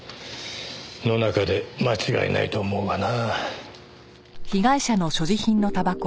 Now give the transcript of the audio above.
野中で間違いないと思うがな。